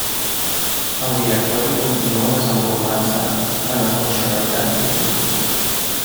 El Directori continua desenvolupant-se en la funcionalitat i contingut.